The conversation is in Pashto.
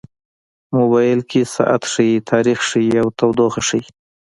موبایل کې ساعت ښيي، تاریخ ښيي، او تودوخه ښيي.